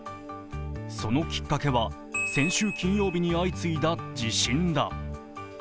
そのきっかけは、先週金曜日に相次いだ地震だ。